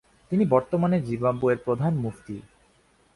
তিনি বর্তমানে জিম্বাবুয়ের প্রধান মুফতি।